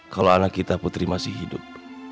kalau anak kita putri masih hidup